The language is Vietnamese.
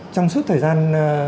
trong suốt thời gian